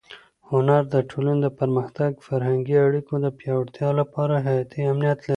هنر د ټولنې د پرمختګ او فرهنګي اړیکو د پیاوړتیا لپاره حیاتي اهمیت لري.